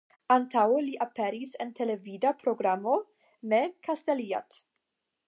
Antaŭe li aperis en televida programo "Me kastelijat".